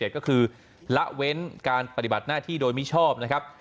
ก็คือละเว้นการปฏิบัติหน้าที่โดยมิชอบนะครับ